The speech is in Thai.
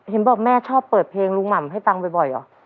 เห็นบอกแม่ชอบเปิดเพลงลุงหม่ำให้ฟังบ่อยเหรอ